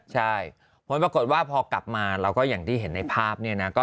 ใช่ผลปรากฏว่าพอกลับมาเราก็อย่างที่เห็นในภาพเนี่ยนะ